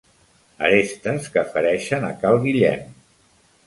Arestes que fereixen a cal Guillem.